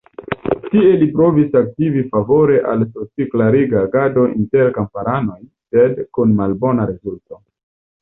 Tie li provis aktivi favore al soci-kleriga agado inter kamparanoj, sed kun malbona rezulto.